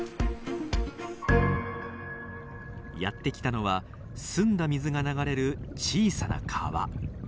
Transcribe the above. やって来たのは澄んだ水が流れる小さな川。